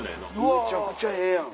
めちゃくちゃええやん。